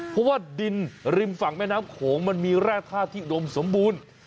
เพราะว่าดินริมฝั่งแม่น้ำโขงมันมีแร่ท่าที่อุดมสมบูรณ์